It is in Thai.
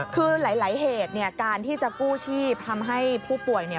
คือหลายเหตุเนี่ยการที่จะกู้ชีพทำให้ผู้ป่วยเนี่ย